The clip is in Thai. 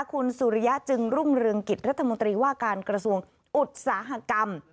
คุณสุริยะจึงรุ่งเรืองกิจรัฐมนตรีว่าการกระทรวงอุตสาหกรรม